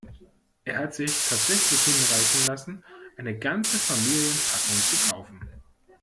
Er hat sich tatsächlich hinreißen lassen, eine ganze Familienpackung zu kaufen.